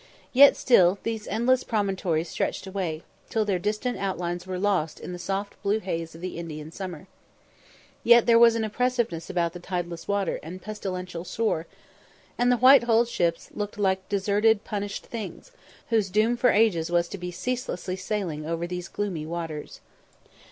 Yet still these endless promontories stretched away, till their distant outlines were lost in the soft blue haze of the Indian summer. Yet there was an oppressiveness about the tideless water and pestilential shore, and the white hulled ships looked like deserted punished things, whose doom for ages was to be ceaseless sailing over these gloomy waters.